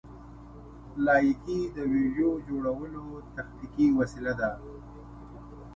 لایکي د ویډیو جوړولو تخلیقي وسیله ده.